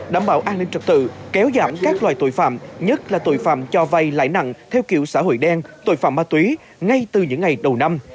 đảm bảo an ninh trật tự kéo giảm các loài tội phạm nhất là tội phạm cho vay lãi nặng theo kiểu xã hội đen tội phạm ma túy ngay từ những ngày đầu năm